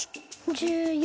１４。